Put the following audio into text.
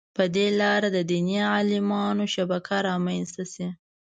په دې لاره د دیني عالمانو شبکه رامنځته شي.